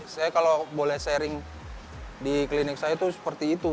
saya kalau boleh sharing di klinik saya itu seperti itu